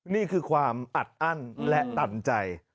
นี่คือความอัดอั้นและตันใจ